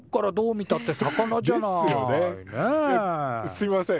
すいません。